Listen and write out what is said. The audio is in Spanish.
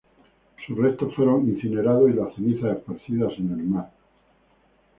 Sus restos fueron incinerados, y las cenizas esparcidas en el mar.